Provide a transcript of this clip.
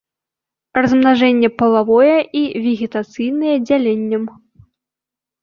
Размнажэнне палавое і вегетацыйнае дзяленнем.